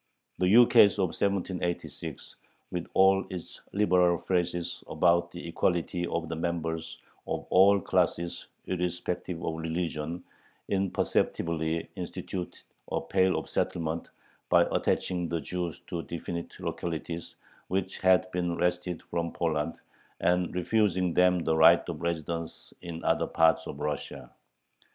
The ukase of 1786, with all its liberal phrases about the equality of the members of all classes irrespective of religion, imperceptibly instituted a Pale of Settlement by attaching the Jews to definite localities, which had been wrested from Poland, and refusing them the right of residence in other parts of Russia.